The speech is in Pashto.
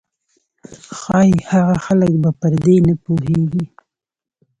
ښايي هغه خلک به پر دې نه پوهېږي.